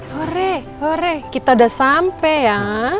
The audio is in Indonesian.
hore hore kita udah sampai ya